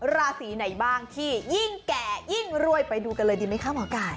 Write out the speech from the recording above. ราศีไหนบ้างที่ยิ่งแก่ยิ่งรวยไปดูกันเลยดีไหมคะหมอไก่